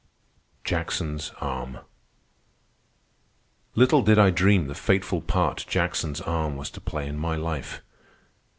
JACKSON'S ARM Little did I dream the fateful part Jackson's arm was to play in my life.